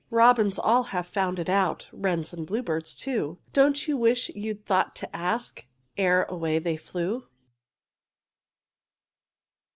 Robins all have found it out, Wrens and bluebirds too, Don't you wish you'd thought to ask Ere away they flew?